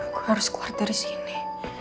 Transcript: aku harus kuat dari sini